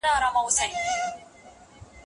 لار دې ژوره کړه اوبه راستنوينه